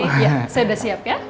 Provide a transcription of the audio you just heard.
saya udah siap ya